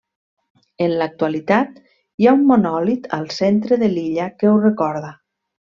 En l'actualitat hi ha un monòlit al centre de l'illa que ho recorda.